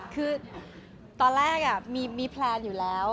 คือตอนแรกมีแพลนอยู่แล้ว